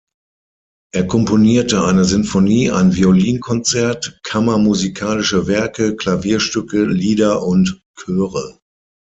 Er komponierte eine Sinfonie, ein Violinkonzert, kammermusikalische Werke, Klavierstücke, Lieder und Chöre.